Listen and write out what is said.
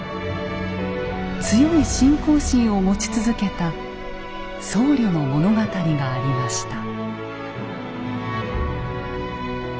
強い信仰心を持ち続けた僧侶の物語がありました。